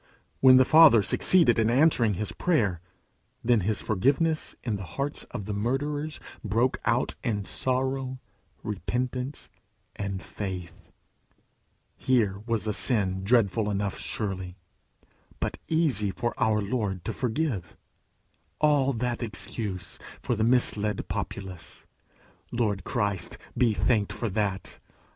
When the Father succeeded in answering his prayer, then his forgiveness in the hearts of the murderers broke out in sorrow, repentance, and faith. Here was a sin dreadful enough surely but easy for our Lord to forgive. All that excuse for the misled populace! Lord Christ be thanked for that!